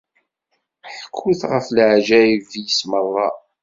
Ḥkut ɣef leɛǧayeb-is merra!